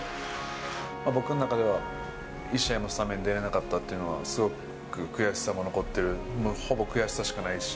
僕の中では、一試合もスタメン出れなかったっていうのは、すごく悔しさも残ってる、もうほぼ悔しさしかないし。